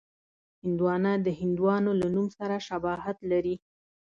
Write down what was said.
هندوانه د هندوانو له نوم سره شباهت لري.